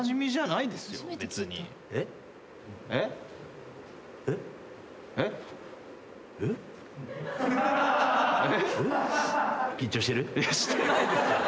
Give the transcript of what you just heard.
いやしてないですよ。